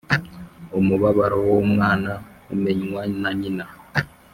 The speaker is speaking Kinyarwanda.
Umubabaro w’umwana umenywa na nyina.